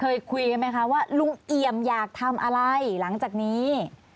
เคยคุยกันไหมคะว่าลุงเอี่ยมอยากทำอะไรหลังจากนี้